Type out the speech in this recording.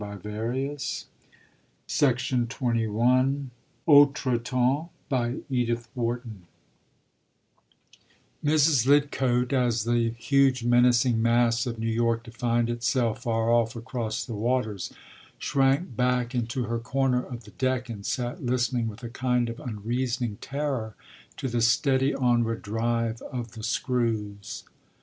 By Edith Wharton Copyright, 1916, By Charles Scribner’s Sons I Mrs. Lidcote, as the huge menacing mass of New York defined itself far off across the waters, shrank back into her corner of the deck and sat listening with a kind of unreasoning terror to the steady onward drive of the screws.